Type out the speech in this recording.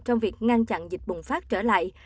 trong việc ngăn chặn dịch bùng phát trở lại